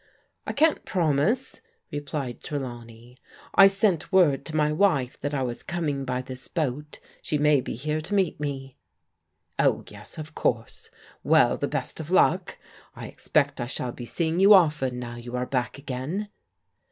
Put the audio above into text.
'*" I can't promise," replied Trelawney. " I sent word to my wife that I was coming by this boat. She may be here to meet me." " Oh, yes, of course. Well, the best of luck ! I ex pect I shall be seeing you often now you are back again.'